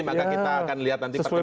maka kita akan lihat nanti perkembangan